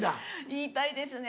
言いたいですね